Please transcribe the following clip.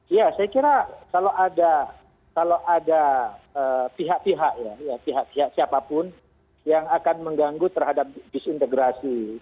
ya saya kira kalau ada pihak pihak ya pihak pihak siapapun yang akan mengganggu terhadap disintegrasi